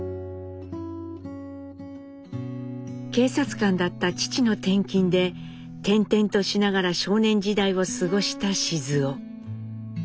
警察官だった父の転勤で転々としながら少年時代を過ごした雄。